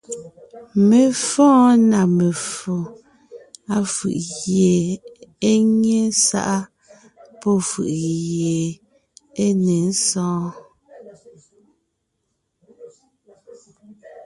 Mé fɔ́ɔn na meffo, áfʉ̀ʼ gie é nyé sáʼa pɔ́ fʉ̀ʼʉ gie é ne sɔɔn: